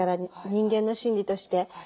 人間の心理として。